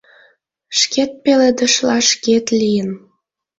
Шкет пеледышла шкет лийын